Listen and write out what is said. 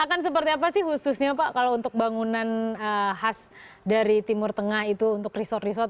akan seperti apa sih khususnya pak kalau untuk bangunan khas dari timur tengah itu untuk resort resort